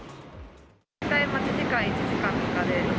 大体待ち時間、１時間とかで。